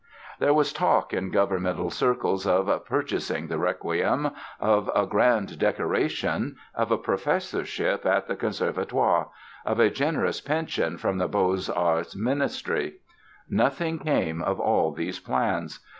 There was talk in governmental circles of "purchasing" the Requiem, of a grand decoration, of a professorship at the Conservatoire, of a generous pension from the Beaux Arts ministry. Nothing came of all these plans.